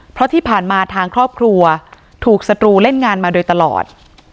เพราะที่ผ่านมาทางครอบครัวถูกศัตรูเล่นงานมาโดยตลอด